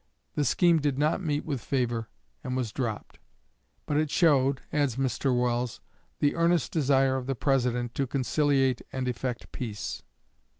The scheme did not meet with favor, and was dropped." But it showed, adds Mr. Welles, "the earnest desire of the President to conciliate and effect peace."